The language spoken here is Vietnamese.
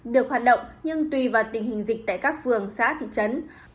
được hoạt động nhưng tùy vào tình hình dịch tại các phường xã thị trấn